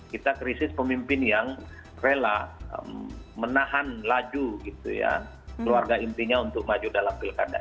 kita krisis pemimpin yang rela menahan laju gitu ya keluarga intinya untuk maju dalam pilkada